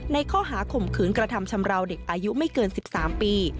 ข้อหาข่มขืนกระทำชำราวเด็กอายุไม่เกิน๑๓ปี